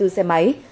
ba mươi bốn xe máy